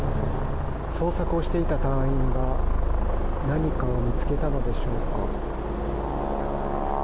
捜索をしていた隊員が何かを見つけたのでしょうか。